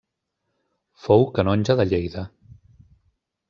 Fou canonge de Lleida.